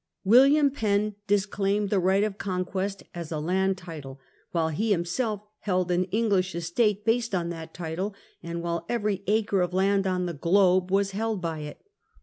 "William Penn disclaimed the right of conquest as a land title, while he himself held an English estate based on that title, and while every acre of land on the globe was held by it.